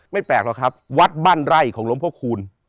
ไม่แปลกหรอกครับวัดบ้านไร่ของลมพระคุณ